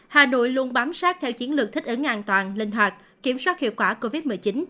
hà nội luôn bám sát theo chiến lược thích ứng an toàn linh hoạt kiểm soát hiệu quả covid một mươi chín